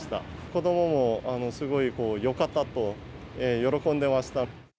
子どももすごいよかったと喜んでました。